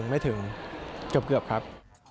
ไม่ถึงเกือบครับ